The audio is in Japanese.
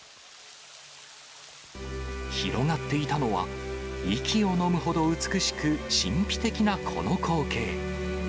広がっていたのは、息をのむほど美しく、神秘的なこの光景。